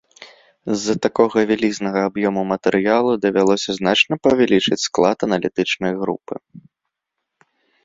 З-за такога вялізнага аб'ёму матэрыялу давялося значна павялічыць склад аналітычнай групы.